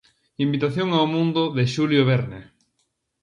Invitación ao mundo de Xulio Verne.